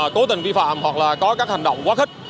cố tình vi phạm hoặc có hành động quá khích